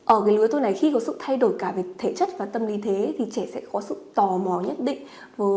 ở cái lứa tôi này khi có sự thay đổi cả về thể chất và tâm lý thế thì trẻ sẽ có sự tò mò nhất định